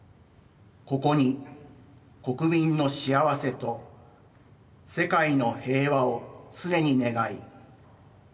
ここに国民の幸せと世界の平和を常に願い